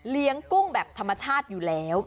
นี่คือเทคนิคการขาย